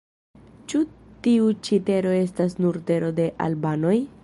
Ĉu tiu ĉi tero estas nur tero de albanoj?